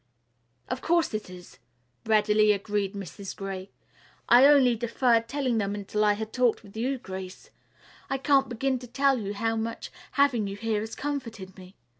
"Of course it is," readily agreed Mrs. Gray. "I only deferred telling them until I had talked with you, Grace. I can't begin to tell you how much having you here has comforted me.